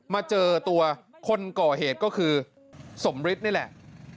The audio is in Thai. มาเจอตัวคนก่อเหตุก็คือสมฤทธิ์นี่แหละ